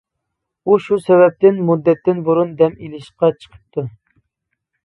ئۇ شۇ سەۋەبتىن مۇددەتتىن بۇرۇن دەم ئېلىشقا چىقىپتۇ.